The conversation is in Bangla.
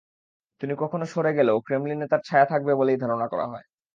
তিনি কখনো সরে গেলেও ক্রেমলিনে তাঁর ছায়া থাকবে বলেই ধারণা করা হয়।